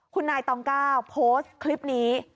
คุณนายตองก้าวโพสต์คลิปนี้